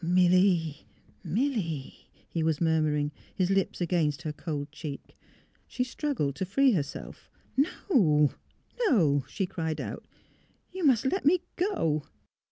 '' Milly — Milly! " he was murmuring, his lips against her cold cheek. She struggled to free herself. '' No — no !'' she cried out. '' You must let me go!"